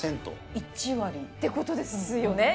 １割？ってことですよね？